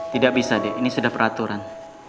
tidak bisa deh ini sudah peraturan